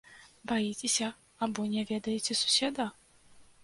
Баіцеся або не ведаеце суседа?